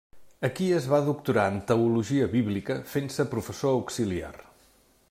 Aquí es va doctorar en Teologia Bíblica, fent-se professor auxiliar.